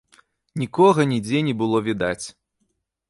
Нікога нідзе не было відаць.